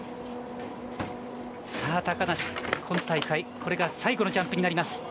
さあ、高梨、今大会、これが最後のジャンプになります。